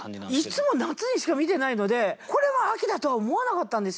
いつも夏にしか見てないのでこれが秋だとは思わなかったんですよ。